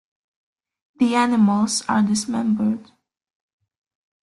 The animals are dismembered.